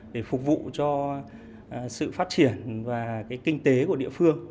để phục vụ cho sự phát triển và kinh tế của địa phương